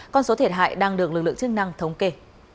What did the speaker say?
con số thiệt hại đang được lực lượng chức năng thống kê